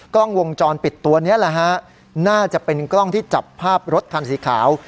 กล้องวงจรปิดตัวนี้แหละฮะน่าจะเป็นกล้องที่จับภาพรถคันสีขาว